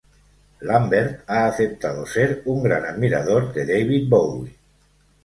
Lambert ha aceptado ser un gran admirador de David Bowie.